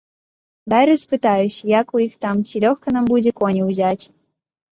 Дай распытаюся, як у іх там, ці лёгка нам будзе коні ўзяць?